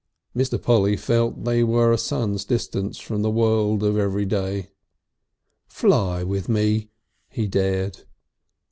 Mr. Polly felt they were a sun's distance from the world of everyday. "Fly with me!" he dared.